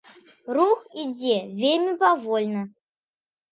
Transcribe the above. Рух ідзе вельмі павольна.